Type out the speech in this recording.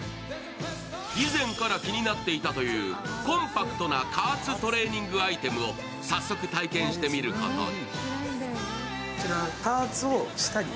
以前から気になっていたという、コンパクトな加圧トレーニングアイテムを早速体験してみることに。